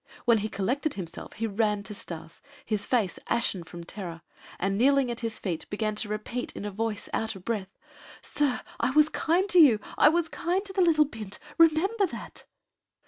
When he collected himself he ran to Stas, with face ashen from terror, and, kneeling at his feet, began to repeat in a voice out of breath: "Sir, I was kind to you! I was kind to the little 'bint'! Remember that!"